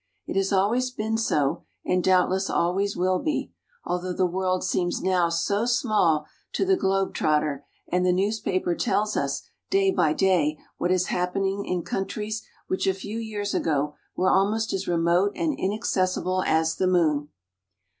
It has always been so and doubtless always will be, although the world seems now so small to the "globe trotter, " and the newspaper tells us, day by day, what is happen ing in countries which a few years ago were almost as remote and inaccessible as the moon.